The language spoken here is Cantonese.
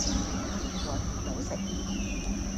搵唔到食